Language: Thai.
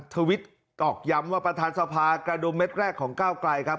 ทวิตตอกย้ำว่าประธานสภากระดุมเม็ดแรกของก้าวไกลครับ